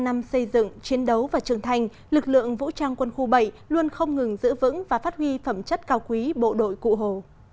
bảy mươi năm năm xây dựng chiến đấu và trưởng thành lực lượng vũ trang quân khu bảy luôn không ngừng giữ vững và phát huy phẩm chất cao quý bộ đội cụ hồ